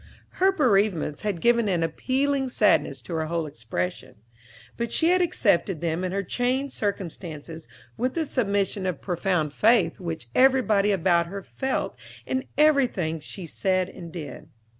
Her bereavements had given an appealing sadness to her whole expression; but she had accepted them and her changed circumstances with the submission of profound faith which everybody about her felt in everything she said and did.